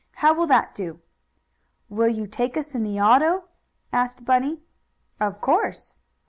How will that do?" "Will you take us in the auto?" asked Bunny. "Of course."